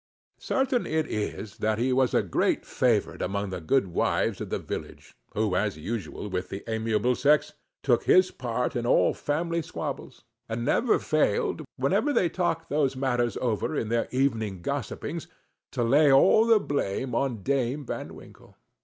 Certain it is, that he was a great favorite among all the good wives of the village, who, as usual with the amiable sex, took his part in all family squabbles; and never[Pg 3] failed, whenever they talked those matters over in their evening gossipings, to lay all the blame on Dame Van Winkle.